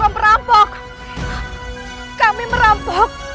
soalnya di kamera ini berbicara tentang paul ooh